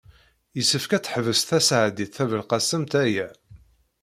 Yessefk ad teḥbes Taseɛdit Tabelqasemt aya.